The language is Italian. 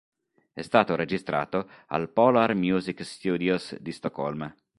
È stato registrato al Polar Music Studios di Stoccolma.